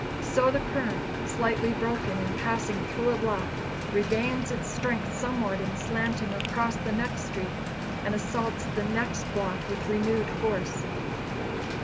So the current, slightly broken in passing through a block, regains its strength somewhat in slanting across the next street, and assaults the next block with renewed force.